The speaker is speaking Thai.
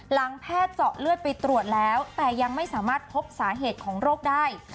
แพทย์เจาะเลือดไปตรวจแล้วแต่ยังไม่สามารถพบสาเหตุของโรคได้